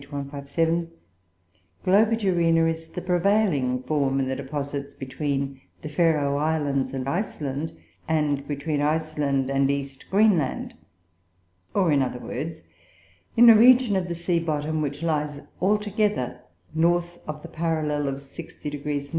157) Globigerina is the prevailing form in the deposits between the Faroe Islands and Iceland, and between Iceland and East Greenland or, in other words, in a region of the sea bottom which lies altogether north of the parallel of 60° N.